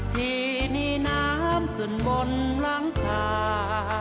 ที่มีน้ำขึ้นบนหลังคา